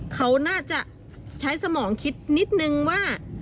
เขาน่าจะใช้สมองคิดนิดนึงว่า